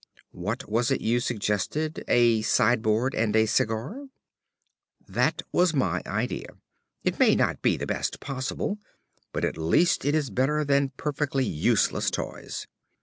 "What was it you suggested? A sideboard and a cigar?" "That was my idea. It may not be the best possible, but at least it is better than perfectly useless toys.